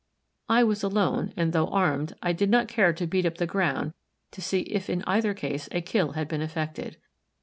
I was alone, and though armed, I did not care to beat up the ground to see if in either case a kill had been effected.